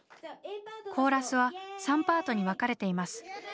コーラスは３パートに分かれています。